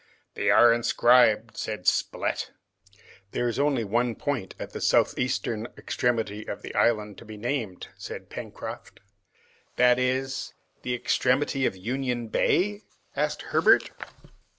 "They are inscribed," said Spilett. "There is only the point at the southeastern extremity of the island to be named," said Pencroft. "That is, the extremity of Union Bay?" asked Herbert.